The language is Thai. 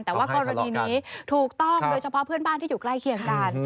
แต่ว่ากรณีนี้ถูกต้องโดยเฉพาะเพื่อนบ้านที่อยู่ใกล้เคียงกัน